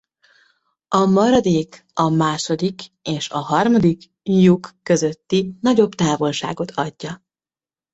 A maradék a második és a harmadik lyuk közötti nagyobb távolságot adja.